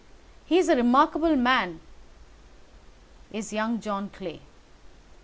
He's a remarkable man, is young John Clay.